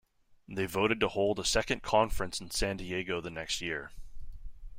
They voted to hold a second conference in San Diego the next year.